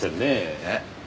えっ？